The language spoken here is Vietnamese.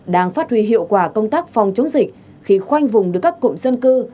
đang phát huy hiệu quả công tác phòng chống dịch khi khoanh vùng được các cụm dân cư